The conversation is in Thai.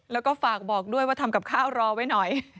แล้วก็ฝากบอกด้วยว่าทำกับข้าวรอไว้หน่อย